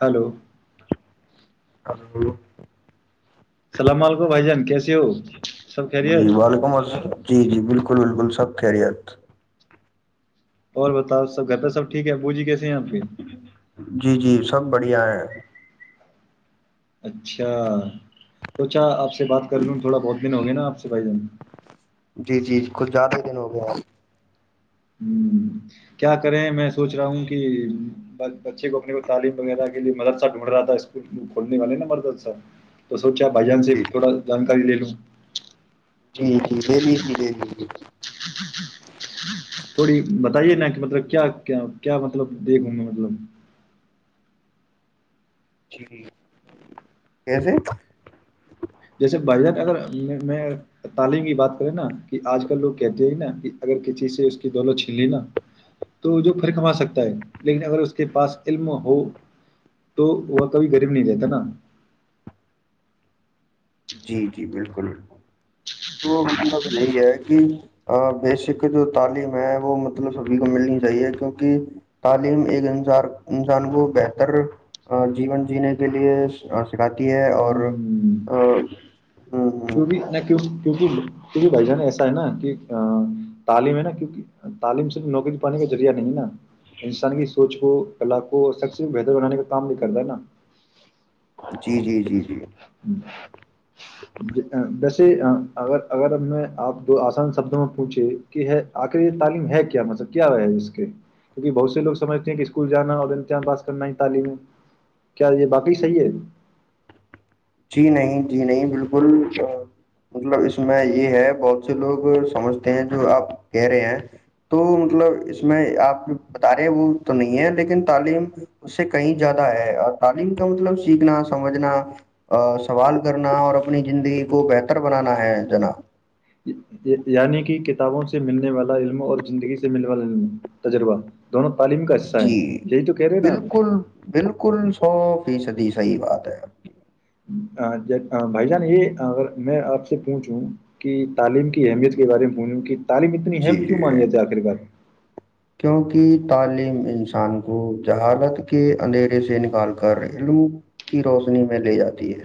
hello call [unintelligible] سلام علیکم بھائی جان کیسیے ہو سب خریت بلکل بلکل سب خیریت اور بتاؤ سب گھر پہ سب ٹھیک ہے بوجی کیسے ہیں آپ کے جی جی سب بڑھیا ہے اچھا تو کیا آپ سے بات کر لوں تھوا بہت دن ہو گ نا آ سے ب ج [unintelligible] جی جی کچھ زیادہ ہی دن ہو گیا ہ کیا [unintelligible] کریں میں سوچ رہا ہوں کہ بچے کو اپنے کو تعلیم وغیرہ کے لیے مددسا ڈھونڈ رہا تھا اسکول کھولنے والے نا مدد سا تو سوچا بھائی جان سے تھوڑا جانکاری لے لو جی جی دےلی جی دےلی جی تھوڑی بتائیے نا کہ مطلب کیا کیا مطلب دیکھوں میں مطلب جی کیسے جیسے بھائی جان اگر میں تعلیم کی بات کریں نا کہ آج کل لوگ کہتے ہیں نا کہ اگر کسی سے اس کی دولت چھین لی نا تو جو پھر کما سکتا ہے لیکن اگر اس کے پاس علم ہو تو وہ کبھی غریب نہیں رہتا نا جی جی بالکل بالکل تو مطلب یہی ہے کہ بیسک جو تعلیم ہے وہ مطلب سبھی کو ملنی چاہیے کیونکہ تعلیم ایک انار انسان کو بہتر جیون جینے کے لیے چکاتی ہے اور ہ [unintelligible] کیوں بھی نہ کیوں کیونکہ بھائی جان ایسا ہے نا کہ تعلیم ہے نا کیکہ تعلیم صرف نوکری پانے کا ذریعہ نہیں نا انسان کی سوچ کو کلا کو سب سے بہتر بنانے کا کام نہیں کرتا نا جی جی جی جی ویسے اگر اگر ہم نے آپ دو آسان شبدوں میں پوچھے کہ ہے آخر یہ تعلیم ہے کیا مطلب کیا ہے اس کے کیونکہ بہت سے لوگ سمجھتے ہیں کہ اسکول جانا اور امتحان پاس کرنا ہے تعلیم ہے کیا یہ باقی صحیح ہے جی نہیں جی نہیں بالکل مطلب اس میں یہ ہے بہت سے لوگ سمجھتے ہیں جو آپ کہہ رہے ہیں تو مطلب اس میں آپ بتا رہے ہیں وہ تو نہیں ہے لیکن تعلیم اس سے کہیں زیادہ ہے اور تعلیم کا مطلب سیکھنا سمجھنا سوال کرنا اور اپنی زندگی کو بہتر بنانا ہے جنا یعنی کہ کتابوں سے ملنے والا علم اور زندگی سے ملنے والا علم تجربہ دونوں تعلیم کا حصہ ہیں جی یہی تو کہہ رہے ہیں بالکل بالکل ساف سھی سدھی صحی بات ہے بھائی جان یہ اگر میں آپ سے پوچھوں کہ تعلیم کی اہمیت کے بارے میں بولوں کہ تعلیم اتنی ام کیوں مانیے آخر کار کیوںکہ تعلیم انسان کو جہادت کے اندھیرے سے نکال کر علم کی روشنی میں لے جاتی ہے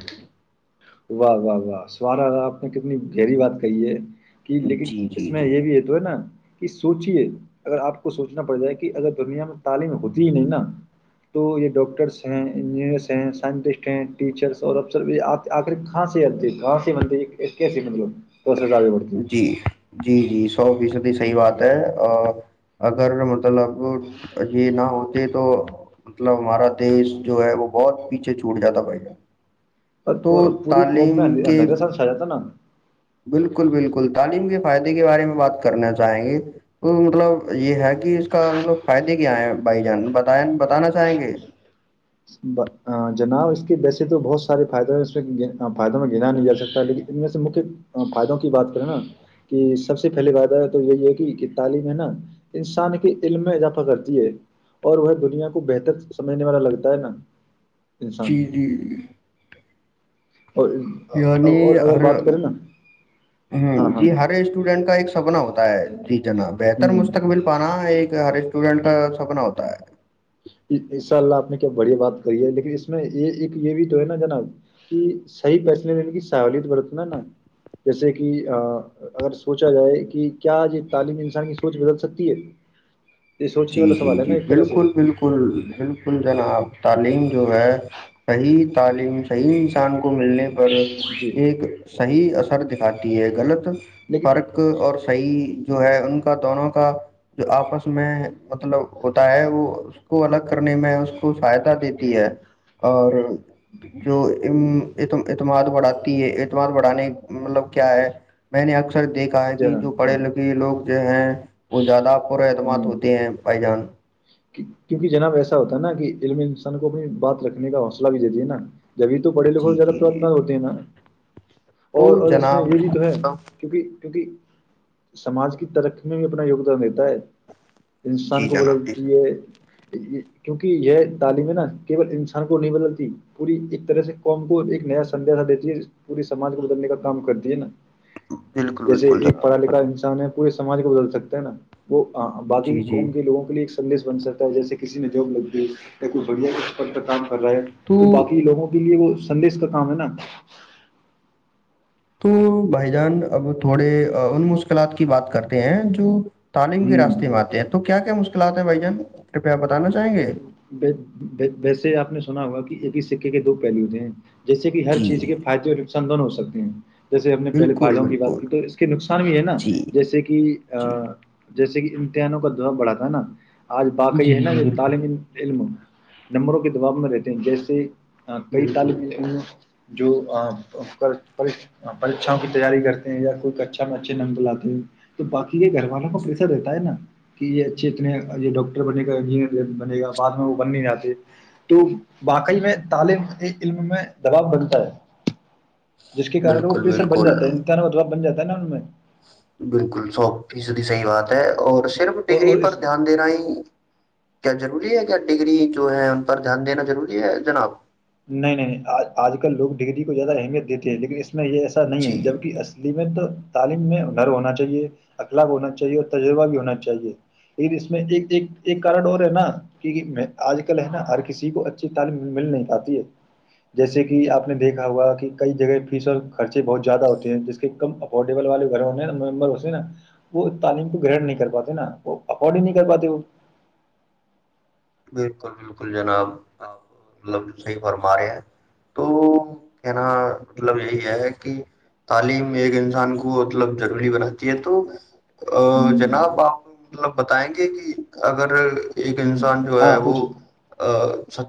واہ واہ واہ سوارا آپ نے کتنی گہری بات کہی ہے کہ لیکن جی اس جی میں جی یہ بھی ہے تو ہے نا کہ سوچیے اگر آپ کو سوچنا پڑ جائے کہ اگر دنیا میں تعلیم ہوتی ہی نہیں نا تو یہ ڈاکٹرس ہیں انجینئرس ہیں سائنٹسٹ ہیں ٹیچرس اور افسر آپ آخری کاں سے آتے گاں سے بندے کی س مطلب پروسیس آگے بڑھتی جی جی جی سو فیصد ہی صحیح بات ہے اور اگر مطلب یہ نہ ہوتے تو مطلب ہمارا دیش جو ہے وہ بہت پیچھے چھوٹ جاتا بھائی جان تو پوری قوم تعلیم میں کے اندھیرا سال سا جاتا نا ہم بالکل بالکل تعلیم کے فائدے کے بارے میں بات کرنا چاہیں گے تو مطلب یہ ہے کہ اس کا مل فائدے کیا ہے بھائی جان بت بتانا چاہیں گے جناب اس کے ویسے تو بہت سارے فائدے ہیں اس میں فائدوں میں گناا نہیں ج سکتا لیکن ان میں سے مکہ فائدوں کی بات کریں نا کہ سب سے پہلے فائدہ تو یہی ہے کہ کہ تعلیم ہے نا انسان کے علم میں اضافہ کرتی ہے اور وہ دنیا کو بہتر سمجھنے والا لگتا ت ن جی جی اور یعنی اور اگر ہر بات کریں نا ہ ہاں ہاں جی ہر اسٹوڈینٹ کا ایک سپنا ہوتا ہے جی جا بہتر ہوں مستقبل پانا ایک ہر اسٹوڈینٹ کا سپنا ہوتا ہے ان شاء اللہ آپ نے کیا بڑھیا بات ی لیکن اس میں یہ ایک یہ بھی تو ہے نا جناب کہ صحیح فیصلے لینے کی سہولت برتنا ہے نا جیسے کہ اگر سوچا جائے کہ کیا یہ تعلیم انسان کی سوچ بدل سکتی ہے یہ سوچنے جی والا جی سوال ہے نا جی ایک طرح سے بالکل بالکل بالکل جناب تعلیم جو ہے صحیح تعلیم صحیح انسان کو ملنے پر جی ایک صحیح اثر دکھاتی ہے غلط لیکن فرق اور صحیح جو ہے ان کا دونوں کا جو آپس میں مطلب ہوتا ہے وہ اس کو الگ کرنے میں اس کو سہایتا دیتی ہے اور جو اعتماد بڑھاتی ہے اعتماد بڑھانے مطلب کیا ہے میں نے سر دیکا ہے کہ جو جناب ہاں پڑھے لکھے لوگ جو ہیں وہ زیادہ پرت م [unintelligible] ہوں، ہوتے ہیں بھائی جان کیونکہ جناب ایسا ہوتا ہے نا کہ علم انسان کو اپنی بات رکھنے کا حوصلہ بھی دیتی ہے نا جبھی تو پڑے لکھوں جی سے زیادہ جی جی پرارتنا جی ہوتی ہے نا تو اور اور اس میں جناب یہ بھی تو ہے جی کیونکہ کیونکہ سماج کی ترقی میں بھی اپنا یوگدان دیتا ہے ہندوستان کو بل جناب جی جناب کیونکہ یہ تعلیم ہے نا کیول انسان کو نہیں بدلتی پوری ایک طرح سے قوم کو ایک نیا سدش دیتی ہے پورے سمج کو بدلنے کا کام کرتی ہے نا بالکل جیسے بالکل ایک پڑھا جناب لکھا انسان ہے پورے سمج کو بدل سکتے ہیں نا وہ بای جی جی قوم کے لوگوں کے لیے سندش بن سکتا ہے جیسے کسی نے جوک لگ دی یا کوئی بڑھیا اس پت کام کر رہا ہے تو باقی لوگوں کے لیے وہ سندیش کا کام ہے نا تو بھائی جان اب تھوڑے ان مشکلات کی بات کرتے ہیں جو تعلیم کے راستے ہوں میں آتے ہیں تو کیا م کلاتے ہیں بائی جان کرپیا پتا ویسے آپ نے سنا ہوا کہ ایک سکے کے دو پہلو تھ ہیں جس سے کہ ہر جی چیز کے فائدے اور نقصان دونوں سے سکتی ہوں جیسے ہم نے پہلے بالکل فائدوں کی بات بالکل کی تو اس کے نقصان بھی ہے نا جی جیسے کہ جی جیسے کہ امتحانوں کا دہا بڑا تھا نا آج باقی جی ہے نا جی یہ بالکل تعالم علم نمبروں کے دباؤ میں رہتے ہیں جیسے ہاں کئی بالکل تالب جو پریھاں کی تیاری کرتے ہیں یا کوئی اچھا میں اچھے نمب لاتے ہیں تو باقی کے گھر والوں کو پریشر رہتا ہے نا کہ یہ اچھے اتنے یہ ڈاکٹر بنے کا بنے گا بعد میں وہ بن نہیں جاتے تو واقعی میں تعلیم علم میں دباؤ بنتا ہے جس کے کار وہ بالکل پریسر بن بالکل جاتا ہے امکان ودا بن جا ہے جن میں بالکل سو فیصدی صحی بات ہے اور صرف ڈگری اور پر اس دھیان دینا ہی کیا ضروری ہے کیا ڈگری جو ہے ان پر دھیان دینا ضروری ہے جناب نہیں نہیں آج کل لوگ ڈگری کو زیادہ اہمیت دیتے لیکن اس میں یہ ایسا نہیں جی ہے جب کہ اصلی میں تو تعلیم میں گر ہونا چاہیے اخلاق ہونا چاہیے اور تجربہ بھی ہونا چاہیے لیکن اس میں ایک ایک کارن اور ہے نا کہ میں آج کل ہے نا ہر کسی کو اچھی تعلیم مل نہیں پاتی جیسے کہ آپ نے دیکھا ہوا کہ کئی جگہ فیس اور خرچے بہت زیادہ ہوتے ہیں جس کے کم افورڈیبل والے گھر ممبر ہوتے ہیں نا وہ تعلیم کو گٹ نہیں کر پاتے نا وہ افورڈ ہی نہیں کر پاتے وہ بالکل بالکل جناب آپ ملب صحیح فرما رہے ہیں تو کہنا مطلب یہی ہے کہ تعلیم ایک انسان کو مطلب ضروری بناتی ہے تو ہ ا جناب آپ مطلب بتائیں گے کہ اگر ایک ہ انسان جو ہے ہاں وہ پوچھیے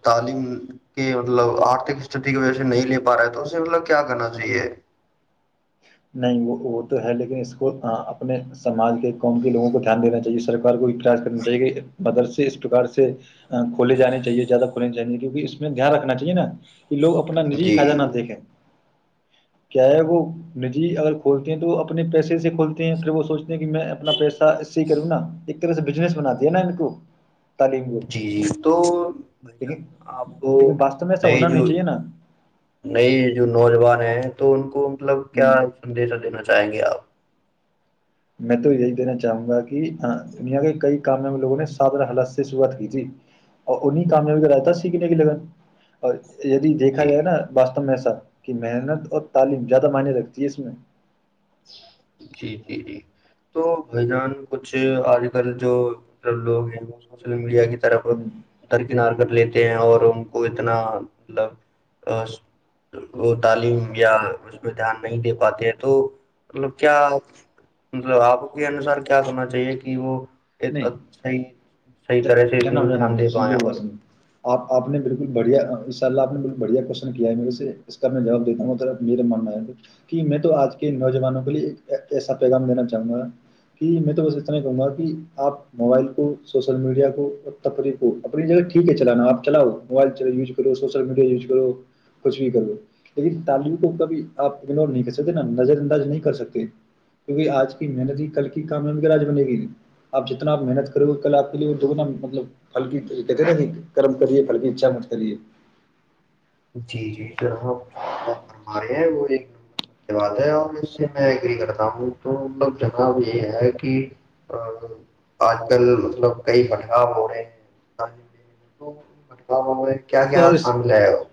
تعلیم کے مطلب آرتھک استتی کی وجہ سے نہیں لے پا رہا ہے تو اسے مطلب کیا کرنا چاہیے نہیں وہ وہ تو ہے لیکن اس کو اپنے سماج کے قوم کے لوگوں کو دھیان دینا چاہیے سر کوئی پریاس کرنا چاہے مدر سے اس پرکار سے کھولے جے چاہےیادہ کھولنے چاہیے جو کہ اس میں دھیان رکھنا چاہیے نا کہ لوگ اپنا نجی ہی فائدہ جی نہ دیکھیں کیا ہے وہ ن جی اگر کھولتے ہیں تو وہ اپنے پیسے سے کھولتے ہیں پھر وہ سوچتے ہیں کہ میں اپنا پیس اسی کرو نا ایک سے بجنس بناات د ہے نا ان کو تعلیم کو جی جی تو بھائی جان لیکن آپ کو لیکن واستو میں ایسا نئے ہونا نہیں جو چاہیے نا نئے جو نوجوان ہیں تو ان کو مطلب کیا ہ سدیش دینا چاہیں گے آپ میں تو یہی دینا چاہوں گا کہ دنیا کے کئی کامیابی لوگوں نے سادار حالات سے شروعات کی تھی اور انیں کامیابی کا راہ سیکھنے کے لگن اور یدی دیکھا جی جائے نا با ایسا کہ محنت اور تعلیم زیادہ معنی لگتی ہے اس میں جی جی جی تو بھائی جان کچھ آج کل جو مطلب لوگ ہیں وہ سوشل میڈیا کے طرف ہ ترکینار کر لیتے اور ان کو اتنا مطلب وہ تعلیم یا اس پ دھیان نہیں دے پاتے ہیں تو مطلب کیا م آپ کے انوسار کیا کرنا چاہیے کہ وہ ایک نہیں صحیح صحیح ج طرح سے جنا دھیان جنا دے سنوں پائیں مری اور بات س آپ آپ نے بالکل ب بڑھیا ان شاء اللہ آپ نے بالکل بڑھیا کوشن کیا ہے میرے سے اس کا میں جواب دیتا ہوں میرا من میں ہے کہ میں تو آج کے نوجوانوں کے لیے ایسا پیغام دینا چاہوں گا کہ میں تو بس اتنا ہی کہوں گا کہ آپ موبائل کو سوسل میڈیا کو اور تفریح کو اپنی جگہ ٹھیک ہے چلانا آپ چلاؤ موبائل چل یوز کرو سوشل میڈیا یوز کرو کچھ بھی کرو لیکن تعلیم کو کبھی آپ اگنور نہیں کر سکتے نا نظر انداز نہیں کر سکتے کیونکہ آج کی محنت ہی کل کی کامیا م آج بنے گی آپ جتناپ محنت کرو گے کل آپ کے لیے دگ نا مطلب پھل کیی کہتے نا کہ کرم کریے پھل کی اچھا مشت کریے جی جی سر آپ جو آپ فرما رہے ہیں وہ ایک نمبر سب بات ہے اور اس سے میں ایگری کرتا ہوں تو مطلب جناب یہ ہے کہ آج کل مطلب کئی بھٹکاؤ ہو رہے ہیں تعلیم لینے میں تو ان بھٹگاؤ ہوے کیا کیا اور اس سام ل وہ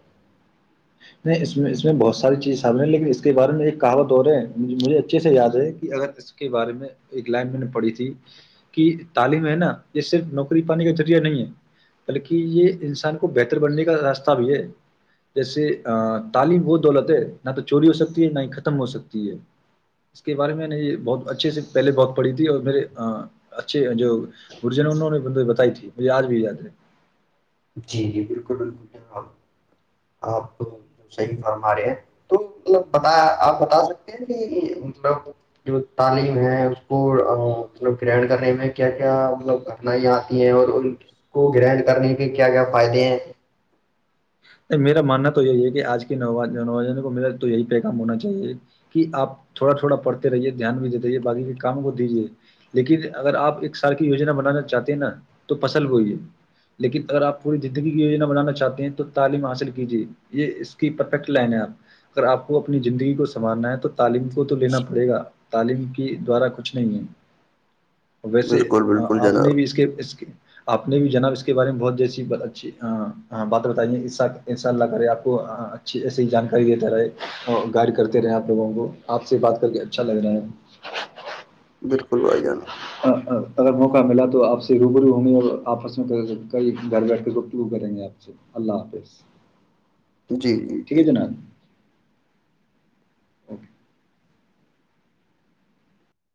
نہیں اس اس میں بہت ساری چیزیں سامنے لیکن اس کے بارے میں ایک کہاوت اور رہے ہے مجھے اچھے سے یاد ہے کہ اگر اس کے بارے میں ایک لائن میں نے پڑھی تھی کہ تعلیم ہے نا یہ صرف نوکری پانے کا ذریعہ نہیں ہے بلکہ یہ انسان کو بہتر بننے کا راستہ بھی ہے جیسے تعلیم وہ دولت ہے نہ تو چوری ہو سکتی ہے نہ ہی ختم ہو سکتی ہے اس کے بارے میں نے یہ بہت اچھے سے پہلے بہت پڑھی تھی اور میرے اچھے جو گرجن نے انہوں نے ب بتائی تھی بازار بھی جات تھے جی جی بالکل بالکل ج آپ صحی فرما رہے ہیں تو ملب بتا آپ بتا سکتے ہیں کہ مطلب جو تعلیم ہے اس کو مطلب گہن کرنے میں کیا کیا مطلب کٹنائیاں آتی ہیں اور ان کو گر کرنے کہ کیا کیا فائدے ہیں نہیں میرا ماننا تو یہی ہے کہ آج کےو نوجان کو میرا تو یہی پیغام ہونا چاہیے کہ آپ تھوڑا تھوڑا پڑھتے رہیے دھیان بھی دیتے رہیے بای کے کام کو دیجیے لیکن اگر آپ ایک سال کی یجنا بنانا چاہتے ہیں نا تو پسل بئیے لیکن اگر آپ پوری زندگی کی یجنا بنانا چاہتے ہیں تو تعلیم حاصل کیجے یہ اس کی پرفیکٹ لائن ہے آپ اگر آپ کو اپنی زندگی کو سنوارنا ہے تو تعلیم کو تو لینا پڑے گا تعلیم کی دوارا کچھ نہیں ہے ویسے بالکل بالکل آپ نے جناب بھی اس کے اس آپ نے بھی جناب اس کے بارے میں بہت جیسی اچھی بات بتائی ہے انساء اللہ کرے آپ کو اچھی ایسیے جانکاری دیتا رہے گائڈ کرتے رہے آپ لوگوں کو آپ سے بات کر کے اچھا لگ رہا ہے بالکل بھائی جان آ، آ، اگر موقع ملا تو آپ سے روبرو ہوں گی اور آپس میں گھر بیٹھ کے گپتگو کریں گے آپ سے اللہ حافظ جی جی ٹھیک جی ہے جناب اوکے [unintelligible]